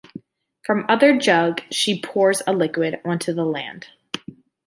From the other jug she pours a liquid onto the land.